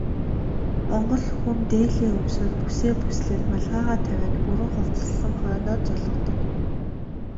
Монгол хүн дээлээ өмсөөд, бүсээ бүслээд малгайгаа тавиад бүрэн хувцасласан хойноо золгодог.